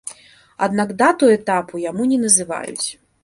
Аднак дату этапу яму не называюць.